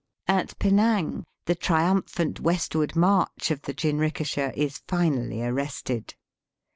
At Penang the triumphant westward march of the jinrikisha is finally arrested.